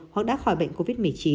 hoặc đã khỏi bệnh covid một mươi chín